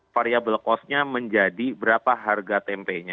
variable cost nya menjadi berapa harga tempenya